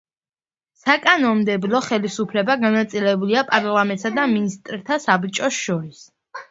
საკანონმდებლო ხელისუფლება განაწილებულია პარლამენტსა და მინისტრთა საბჭოს შორის.